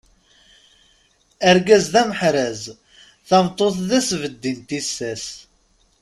Argaz d amehraz, tameṭṭut d asbeddi n tissas.